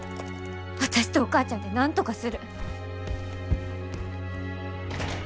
私とお母ちゃんでなんとかする。